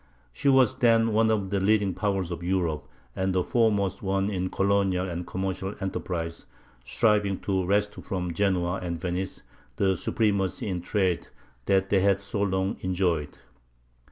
She was then one of the leading powers of Europe, and the foremost one in colonial and commercial enterprise, striving to wrest from Genoa and Venice the supremacy in trade that they had so long enjoyed.